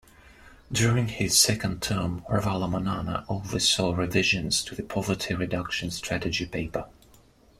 During his second term, Ravalomanana oversaw revisions to the Poverty Reduction Strategy Paper.